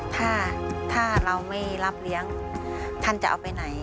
ถ้าถ้าเราไม่รับเลี้ยงท่านจะเอาไปไหน